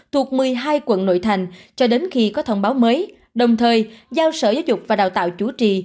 thuộc một mươi hai quận nội thành cho đến khi có thông báo mới đồng thời giao sở giáo dục và đào tạo chủ trì